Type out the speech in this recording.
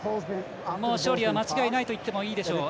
もう勝利は間違いないといってもいいでしょう。